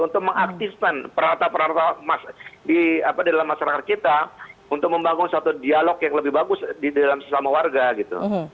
untuk mengaktifkan perata perata di dalam masyarakat kita untuk membangun suatu dialog yang lebih bagus di dalam sesama warga gitu